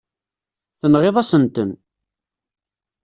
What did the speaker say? Tenɣiḍ-asen-ten.